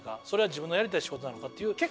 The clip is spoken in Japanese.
それは自分のやりたい仕事なのかっていう。